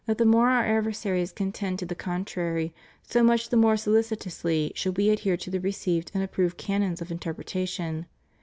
285 the more our adversaries contend to the contrary, so much the more solicitously should we adhere to the received and approved canons of interpretation.